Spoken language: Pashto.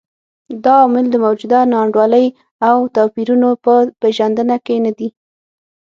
دا عوامل د موجوده نا انډولۍ او توپیرونو په پېژندنه کې نه دي.